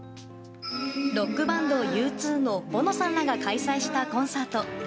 ロックバンドＵ２のボノさんらが開催したコンサート。